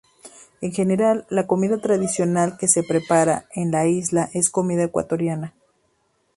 En general, la comida tradicional que se prepara en la isla es comida ecuatoriana.